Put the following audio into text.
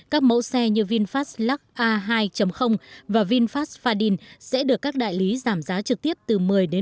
các mẫu xe như vinfast lux a hai và vinfast fadin sẽ được các đại lý giảm giá trực tiếp từ một mươi hai mươi